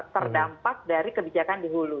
terdampak dari kebijakan di hulu